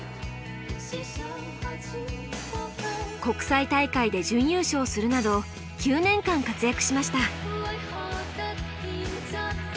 国際大会で準優勝するなど９年間活躍しました。